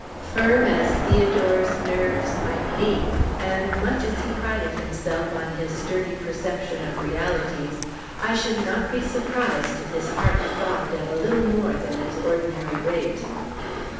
Firm as Theodore's nerves might be, and much as he prided himself on his sturdy perception of realities, I should not be surprised if his heart throbbed at a little more than its ordinary rate.